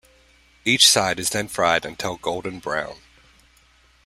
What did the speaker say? Each side is then fried until golden brown.